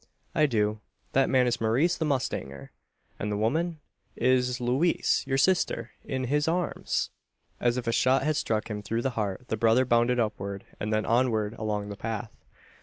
"I do. That man is Maurice the mustanger!" "And the woman?" "Is Louise your sister in his arms!" As if a shot had struck him through the heart, the brother bounded upward, and then onward, along the path.